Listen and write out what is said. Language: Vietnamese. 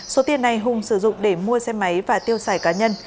số tiền này hùng sử dụng để mua xe máy và tiêu xài cá nhân